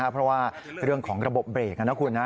เพราะว่าเรื่องของระบบเบรกนะคุณนะ